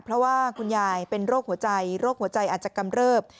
เพราะว่าคุณยายเป็นโรคหัวใจโรคหัวใจอาจจะกำเริบ